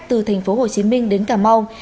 từ tp hcm đến cà mau